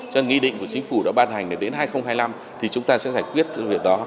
cho nên nghị định của chính phủ đã ban hành đến hai nghìn hai mươi năm thì chúng ta sẽ giải quyết việc đó